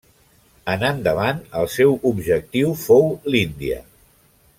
En endavant el seu objectiu fou l'Índia.